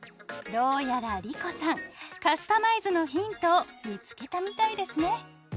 どうやら莉子さんカスタマイズのヒントを見つけたみたいですね。